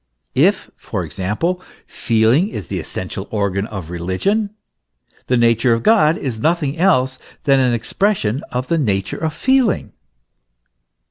If, for example, feeling is the essential organ of religion, the nature of God is nothing else than an expression of the nature of feeling.